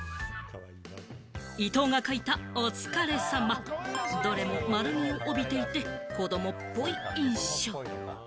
伊藤が書いた「お疲れ様」、どれも丸みを帯びていて、子どもっぽい印象。